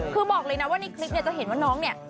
คือบอกเลยนะว่าในคลิปเนี่ยจะเห็นว่าน้องเนี่ย